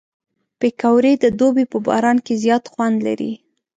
پکورې د دوبي په باران کې زیات خوند لري